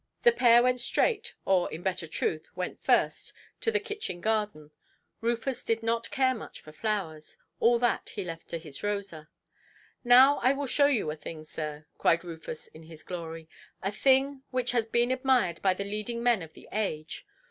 The pair went straight, or, in better truth, went first, to the kitchen garden; Rufus did not care much for flowers; all that he left to his Rosa. "Now I will show you a thing, sir", cried Rufus in his glory, "a thing which has been admired by the leading men of the age.